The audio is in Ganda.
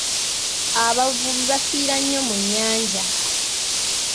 Abavubi bafiira nnyo mu nnyanja.